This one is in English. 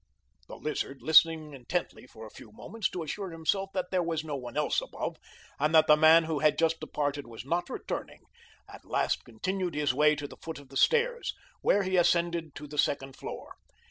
The Lizard, listening intently for a few moments to assure himself that there was no one else above, and that the man who had just departed was not returning, at last continued his way to the foot of the stairs, which he ascended to the second floor.